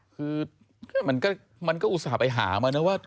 คือมันก็อุตส่าห์ไปหามานะว่า